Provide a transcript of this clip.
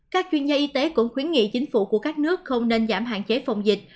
các chuyên gia y tế cũng khuyến nghị chính phủ của các nước không nên giảm hạn chế phòng dịch